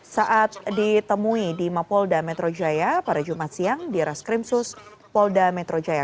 saat ditemui di mapolda metro jaya pada jumat siang di reskrimsus polda metro jaya